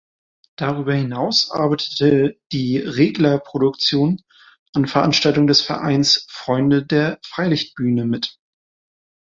Darüber hinaus arbeitete die Regler Produktion an Veranstaltungen des Vereines Freunde der Freilichtbühne mit.